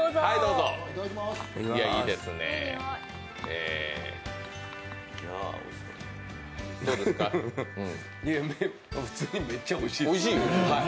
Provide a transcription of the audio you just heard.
いや、普通にめっちゃおいしいです。